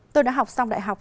tôi đã học xong đại học